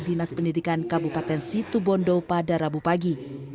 dinas pendidikan kabupaten situbondo pada rabu pagi